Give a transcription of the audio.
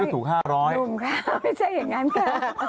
หนุ่มครับไม่ใช่อย่างนั้นค่ะ